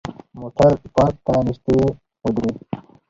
موټر پارک ته نژدې ودرید.